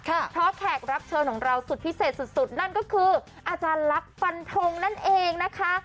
เพราะแขกรับเชิญของเราสุดพิเศษสุดนั่นก็คืออาจารย์ลักษณ์ฟันทงนั่นเองนะคะ